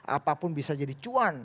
apapun bisa jadi cuan